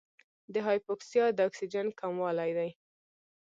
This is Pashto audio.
د هایپوکسیا د اکسیجن کموالی دی.